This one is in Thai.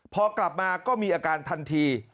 พอกลับมาก็มีอาการทันที